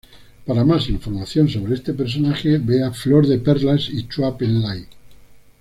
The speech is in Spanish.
Para más información sobre este personaje vea Flor de Perlas y Chua Pen Lai.